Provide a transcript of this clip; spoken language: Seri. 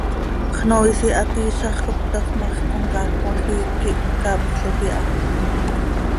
Xnoois ihaat iizax cop cötafp ma x, comcaac cmajiic quih caapxloj iha.